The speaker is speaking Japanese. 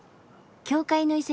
教会の遺跡